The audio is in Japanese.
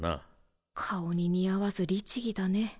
顔に似合わず律義だね。